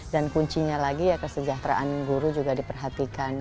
dan kuncinya lagi ya kesejahteraan guru juga diperhatikan